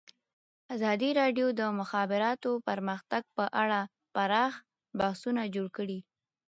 ازادي راډیو د د مخابراتو پرمختګ په اړه پراخ بحثونه جوړ کړي.